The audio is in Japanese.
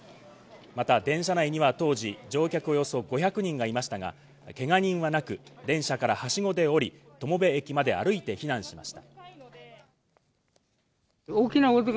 また電車内には当時乗客およそ５００人がいましたが、けが人はなく電車からはしごで下り、友部駅まで歩いて避難しました。